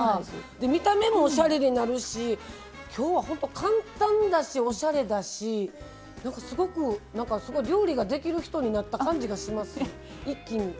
見た目もおしゃれになるし今日は本当簡単だしおしゃれだしすごく料理ができる人になった感じがします一気に。